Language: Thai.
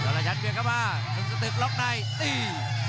ย่อละชันเปียกเข้ามานุ่มสติกล๊อคไนตี